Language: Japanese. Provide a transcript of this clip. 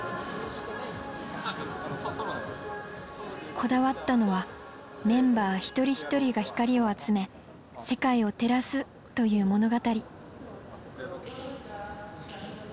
こだわったのはメンバー一人一人が光を集め世界を照らすという物語。